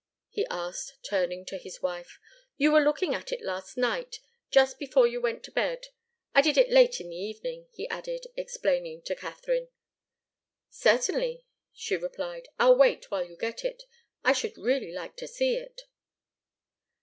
he asked, turning to his wife. "You were looking at it last night, just before you went to bed. I did it late in the evening," he added, explaining to Katharine. "Certainly," she replied. "I'll wait while you get it. I should really like to see it."